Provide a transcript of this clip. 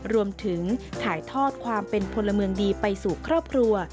รวมถึงถ่ายทอดความเป็นพลเมืองดีไปสู่ครอบครัว